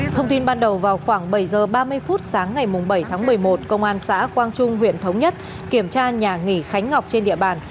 thông tin ban đầu vào khoảng bảy h ba mươi phút sáng ngày bảy tháng một mươi một công an xã quang trung huyện thống nhất kiểm tra nhà nghỉ khánh ngọc trên địa bàn